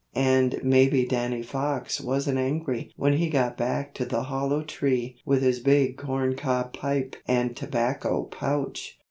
And maybe Danny Fox wasn't angry when he got back to the hollow tree with his big corncob pipe and tobacco pouch!